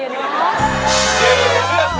เดี๋ยวเลือกเพลงให้ด้วย